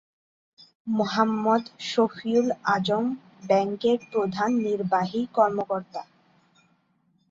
মোহাম্মদ শফিউল আজম ব্যাংকের প্রধান নির্বাহী কর্মকর্তা।